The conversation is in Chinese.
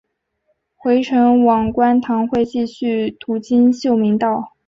回程往观塘会继续途经秀明道。